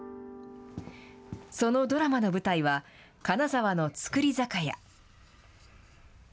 そのドラマの舞台は、金沢の造り酒屋。